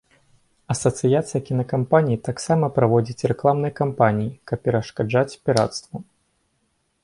Асацыяцыя кінакампаній таксама праводзіць рэкламныя кампаніі, каб перашкаджаць пірацтву.